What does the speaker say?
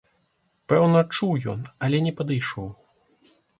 Пэўна, чуў ён, але не падышоў.